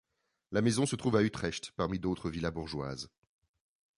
La maison se trouve à Utrecht parmi d'autres villas bourgeoises.